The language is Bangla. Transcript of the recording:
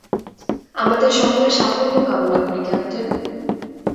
আমাদের সকলের সাফল্য কামনা করি, ক্যাপ্টেন।